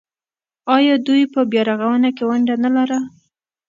آیا دوی په بیارغونه کې ونډه نلره؟